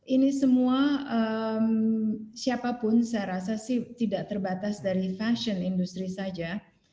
ini semua siapapun saya rasa sih tidak terbatas dari fashion industry saja